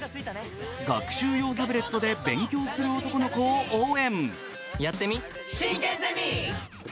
学習用タブレットで勉強する男の子を応援。